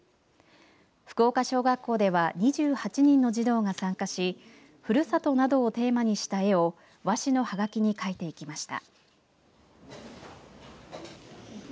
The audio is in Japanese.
福岡小学校では２８人の児童が参加しふるさとなどをテーマにした絵を和紙のはがきに描いていきました。